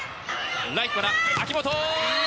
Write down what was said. ライトから秋本。